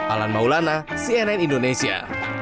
alan maulana cnn indonesia